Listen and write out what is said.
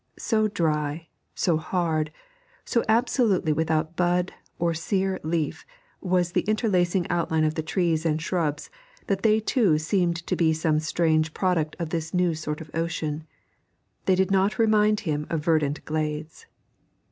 So dry, so hard, so absolutely without bud or sere leaf was the interlacing outline of the trees and shrubs, that they too seemed to be some strange product of this new sort of ocean; they did not remind him of verdant glades.